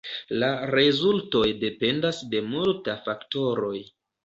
La rezultoj dependas de multa faktoroj.